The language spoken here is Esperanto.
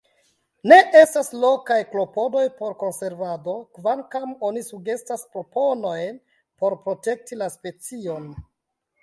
Ne estas lokaj klopodoj por konservado, kvankam oni sugestas proponojn por protekti la specion.